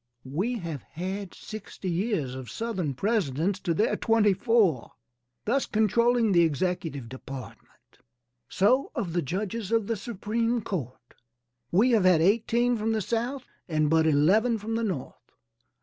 We have had sixty years of Southern presidents to their twenty four, thus controlling the executive department. So of the judges of the supreme court, we have had eighteen from the South and but eleven from the North.